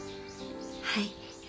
はい。